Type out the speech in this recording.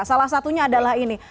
salah satunya adalah ini